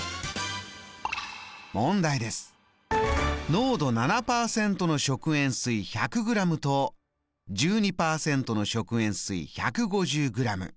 濃度７％の食塩水１００ｇと１２％の食塩水１５０ｇ。